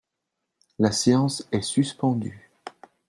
La séance est suspendue.